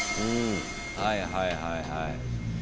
はいはいはいはい。